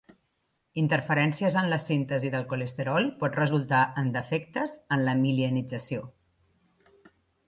Interferències en la síntesi del colesterol pot resultar en defectes en la mielinització.